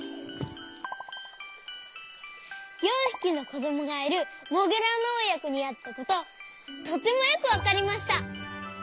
４ひきのこどもがいるモグラのおやこにあったこととてもよくわかりました。